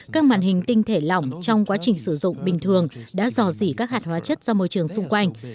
các màn hình tinh thể lỏng trong quá trình sử dụng bình thường đã dò dỉ các hạt hóa chất do môi trường xung quanh